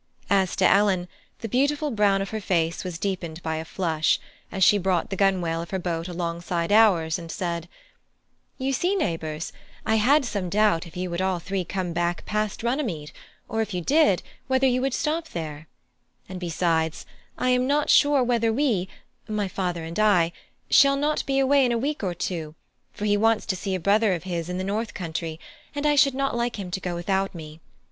As to Ellen, the beautiful brown of her face was deepened by a flush, as she brought the gunwale of her boat alongside ours, and said: "You see, neighbours, I had some doubt if you would all three come back past Runnymede, or if you did, whether you would stop there; and besides, I am not sure whether we my father and I shall not be away in a week or two, for he wants to see a brother of his in the north country, and I should not like him to go without me.